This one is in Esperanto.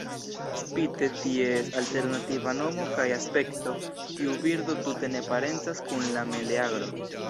Spite ties alternativa nomo kaj aspekto, tiu birdo tute ne parencas kun la meleagro.